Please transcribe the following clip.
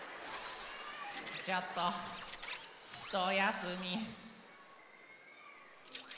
ちょっとひとやすみ。